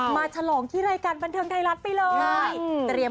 ฉลองที่รายการบันเทิงไทยรัฐไปเลย